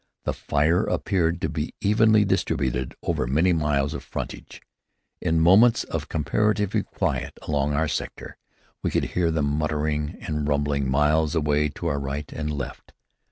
The fire appeared to be evenly distributed over many miles of frontage. In moments of comparative quiet along our sector, we could hear them muttering and rumbling miles away to our right and left.